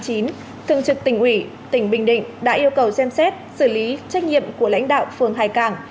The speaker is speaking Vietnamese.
thường trực tỉnh ủy tỉnh bình định đã yêu cầu xem xét xử lý trách nhiệm của lãnh đạo phường hai cảng